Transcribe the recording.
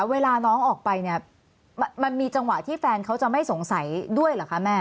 เวลาน้องออกไปเนี่ยมันมีจังหวะที่แฟนเขาจะไม่สงสัยด้วยเหรอคะแม่